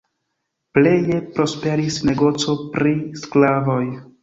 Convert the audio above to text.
Pleje prosperis negoco pri sklavoj.